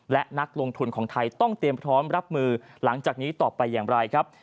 และนักลงทุนของไทยต้องเตรียมพร้อมรับมือหลังจากนี้ต่อไปอย่างไรครับ